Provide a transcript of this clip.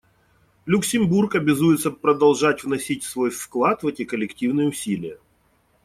Люксембург обязуется продолжать вносить свой вклад в эти коллективные усилия.